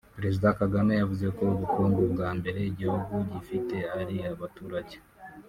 Perezida Kagame yavuze ko ubukungu bwa mbere igihugu gifite ari abaturage